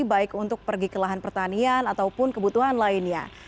baik untuk pergi ke lahan pertanian ataupun kebutuhan lainnya